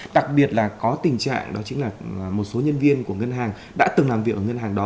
đặc biệt là có tình trạng đó chính là một số nhân viên của ngân hàng đã từng làm việc ở ngân hàng đó